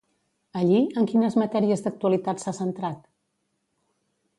Allí, en quines matèries d'actualitat s'ha centrat?